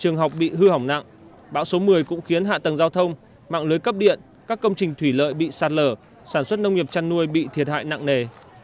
trường học bị hư hỏng nặng bão số một mươi cũng khiến hạ tầng giao thông mạng lưới cấp điện các công trình thủy lợi bị sạt lở sản xuất nông nghiệp chăn nuôi bị thiệt hại nặng nề